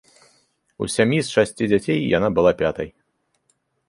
У сям'і з шасці дзяцей яна была пятай.